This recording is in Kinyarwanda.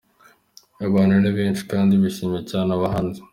Abantu ni benshi kandi bishimiye cyane abahanzi.